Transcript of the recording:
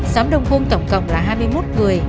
xóm đông thôn tổng cộng là hai mươi một người